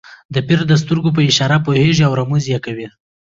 د پیر د سترګو په اشاره پوهېږي او رموز یې کوي.